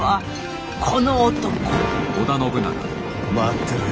待ってろよ